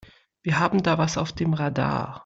Wir haben da was auf dem Radar.